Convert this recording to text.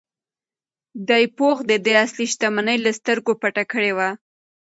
دې پوښ د ده اصلي شتمني له سترګو پټه کړې وه.